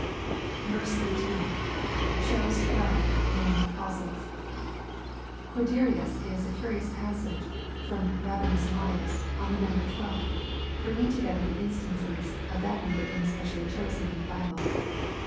1 4. — [Chose iwdvc.named ajpostlesl] Corderius gives a curious passage from Rabanus Maurus on the number twelve, bringing together the instances of that number being specially chosen in tbo Bible.